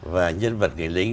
và nhân vật người lính